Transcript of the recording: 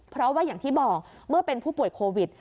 เพราะว่าอย่างที่บอกเมื่อเป็นผู้ป่วยโควิด